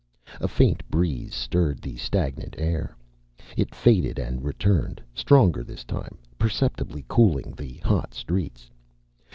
A faint breeze stirred the stagnant air. It faded and returned, stronger this time, perceptibly cooling the hot streets.